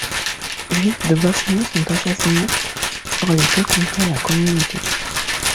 Juifs de Bosnie sont assassinés sur les que comptaient la communauté.